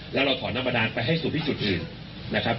แล้วเราถอนน้ำบาดานไปให้สู่พิสูจน์อื่นนะครับ